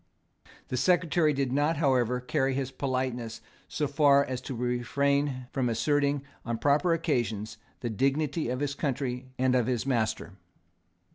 The Secretary did not however carry his politeness so far as to refrain from asserting, on proper occasions, the dignity of his country and of his master.